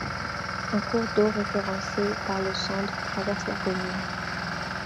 Un cours d'eau référencé par le Sandre traverse la commune.